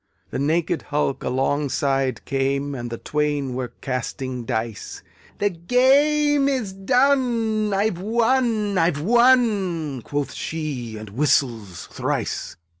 The naked hulk alongside came, And the twain were casting dice; 'The game is done! I've won! I've won!' Quoth she, and whistles thrice.